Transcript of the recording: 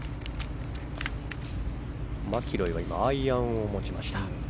マキロイは今、アイアンを持ちました。